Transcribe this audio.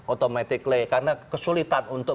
otomatik karena kesulitan untuk